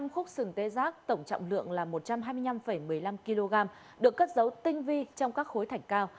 một mươi khúc sừng tê giác tổng trọng lượng là một trăm hai mươi năm một mươi năm kg được cất dấu tinh vi trong các khối thảnh cao